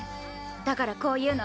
だからこう言うの。